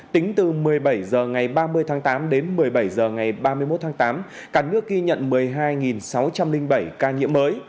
tính từ một mươi bảy h ngày ba mươi tháng tám đến một mươi bảy h ngày ba mươi một tháng tám cả nước ghi nhận một mươi hai sáu trăm linh bảy ca nhiễm mới